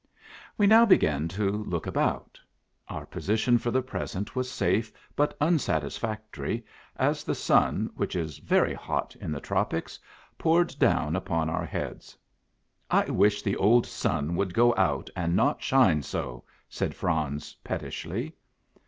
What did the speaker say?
We now began to look about. Our position for the present was safe, but unsatisfactory, as the sun, which is very hot in the tropics, poured down upon our heads. " I wish the old sun would go out, and not shine so," said Franz pettishly.